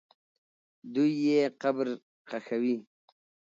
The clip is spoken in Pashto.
دوی یې قبر ښخوي.